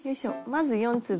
まず４粒。